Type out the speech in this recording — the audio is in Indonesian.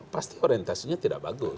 pasti orientasinya tidak bagus